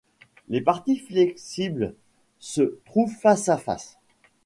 Les parties flexibles se trouvent face à face.